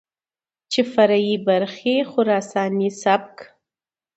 چې فرعي برخې خراساني سبک،